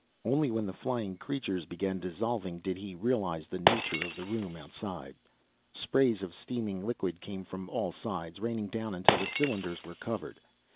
Only when the flying creature began dissolving did he realize the nature of the room outside. Sprays of steaming liquid came from all sides, raining down until the cylinders were covered.